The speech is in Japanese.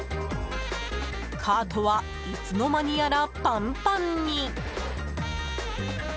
カートはいつの間にやらパンパンに。